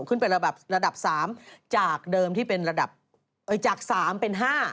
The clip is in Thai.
ขึ้นไประดับระดับ๓จากเดิมที่เป็นระดับจาก๓เป็น๕